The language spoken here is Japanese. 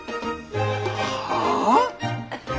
はあ！？